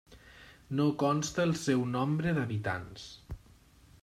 No consta el seu nombre d'habitants.